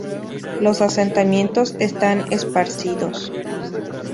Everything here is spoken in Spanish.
Los asentamientos están esparcidos.